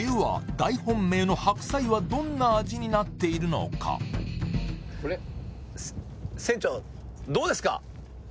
大本命の白菜はどんな味になっているのかこれ・船長どうですか？